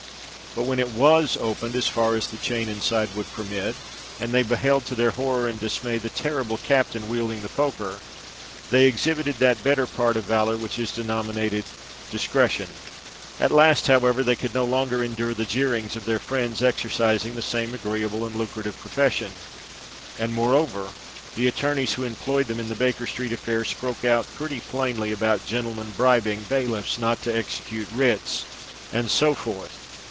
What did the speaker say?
But, when it was opened as far as the chain inside would permit, and they beheld, to their horror and dismay, the terrible captain wielding the poker, they exhibited that better part of valour which is denominated discretion. At last, however, they could no longer endure the jeerings of their friends exercising the same agreeable and lucrative profession; and moreover, the attorneys who employed them in the Baker Street affair spoke out pretty plainly about gentlemen bribing bailiffs not to execute writs, and so forth.